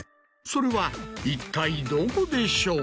それは一体どこでしょう？